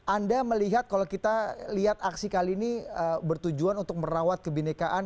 anda melihat kalau kita lihat aksi kali ini bertujuan untuk merawat kebenekaan